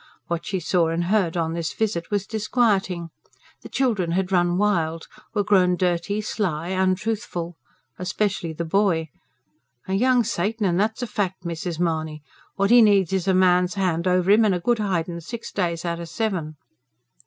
What she saw and heard on this visit was disquieting. The children had run wild, were grown dirty, sly, untruthful. Especially the boy. "A young Satan, and that's a fact, Mrs. Mahony! What he needs is a man's hand over him, and a good hidin' six days outer seven."